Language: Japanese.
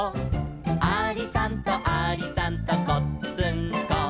「ありさんとありさんとこっつんこ」